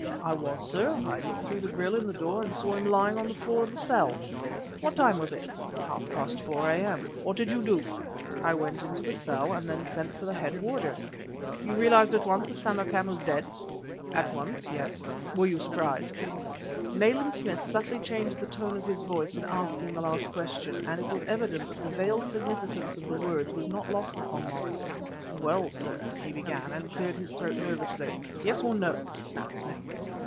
"I was, sir. I looked through the grille in the door and saw him lying on the floor of the cell." "What time was it?" "Half past four A.M." "What did you do?" "I went into the cell and then sent for the head warder." "You realized at once that Samarkan was dead?" "At once, yes." "Were you surprised?" Nayland Smith subtly changed the tone of his voice in asking the last question, and it was evident that the veiled significance of the words was not lost upon Morrison. "Well, sir," he began, and cleared his throat nervously. "Yes, or no!" snapped Smith.